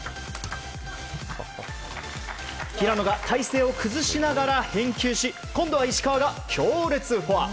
平野が体勢を崩しながら返球し今度は石川が強烈フォア。